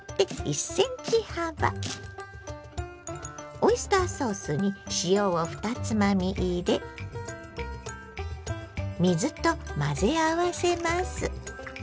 オイスターソースに塩を２つまみ入れ水と混ぜ合わせます。